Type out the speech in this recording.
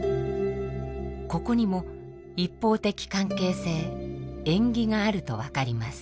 ここにも一方的関係性縁起があると分かります。